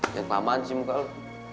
jangan lamaan sih muka lu